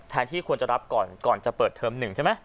ที่ควรจะรับก่อนก่อนจะเปิดเทอม๑ใช่ไหม